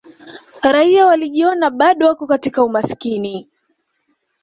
raia walijiona bado wako katika umasikini